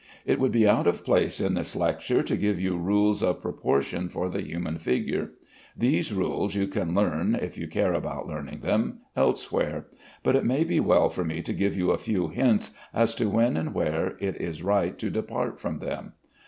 It would be out of place in this lecture to give you rules of proportion for the human figure. These rules you can learn (if you care about learning them) elsewhere, but it may be well for me to give you a few hints as to when and where it is right to depart from them.